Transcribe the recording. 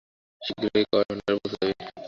শীঘ্রই কয়েন ভান্ডারে পৌঁছে যাব।